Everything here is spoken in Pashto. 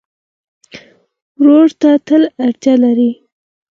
ورور ته تل اړتیا لرې.